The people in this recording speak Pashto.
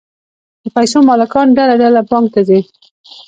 د پیسو مالکان ډله ډله بانک ته ځي